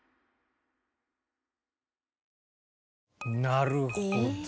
なるほど。